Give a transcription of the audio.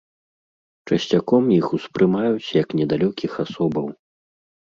Часцяком іх успрымаюць як недалёкіх асобаў.